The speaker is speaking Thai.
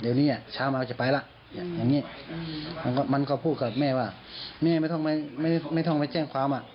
เดี๋ยวนี้เช้ามาเราจะไปละอย่างนี้มันก็พูดกับแม่ว่าแม่ไม่ต้องไปแจ้งความ